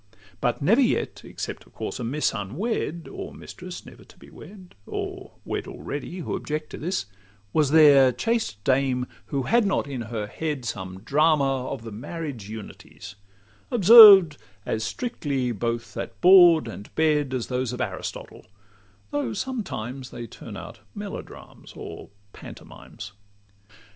But never yet (except of course a miss Unwed, or mistress never to be wed, Or wed already, who object to this) Was there chaste dame who had not in her head Some drama of the marriage unities, Observed as strictly both at board and bed As those of Aristotle, though sometimes They turn out melodrames or pantomimes.